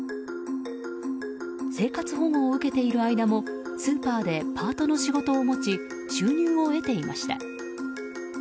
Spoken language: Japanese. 生活保護を受けている間もスーパーでパートの仕事を持ち収入を得ていました。